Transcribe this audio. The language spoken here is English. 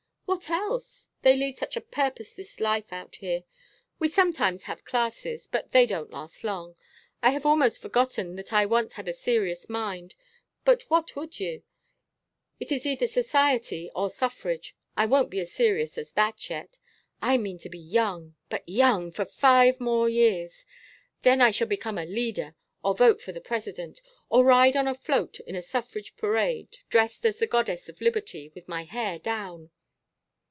"What else? They lead such a purposeless life out here. We sometimes have classes but they don't last long. I have almost forgotten that I once had a serious mind. But what would you? It is either society or suffrage. I won't be as serious as that yet. I mean to be young but young! for five more years. Then I shall become a 'leader,' or vote for the President, or ride on a float in a suffrage parade dressed as the Goddess of Liberty, with my hair down."